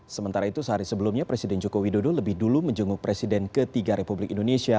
sementara itu sehari sebelumnya presiden joko widodo lebih dulu menjenguk presiden ketiga republik indonesia